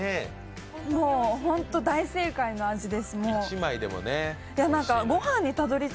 もうホント大正解の味です、